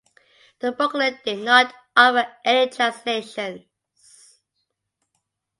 The booklet did not offer any translations.